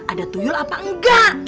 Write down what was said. ada tuyul apa enggak